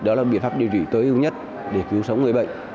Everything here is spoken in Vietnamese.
đó là biện pháp điều trị tối ưu nhất để cứu sống người bệnh